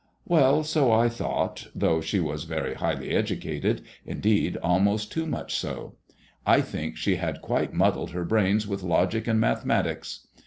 " Well, so I thought, though she was very highly educated, indeed almost too much so; I think she had quite muddled her brains with logic and mathe matics.